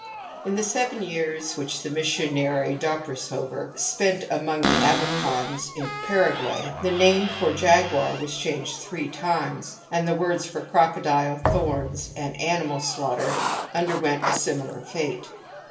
In the seven years which the missionary Dobrizhofer spent' among the Abipons in Paraguay, the name for jaguar was changed three times and the words for crocodile, thorns and anin^al slaughter under went a similar fate.